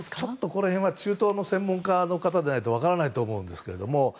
この辺は中東の専門家の方でないと分からないと思うんですけど